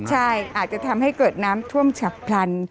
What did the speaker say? ใช่อาจจะทำให้เกิดน้ำท่วมฉับพลัน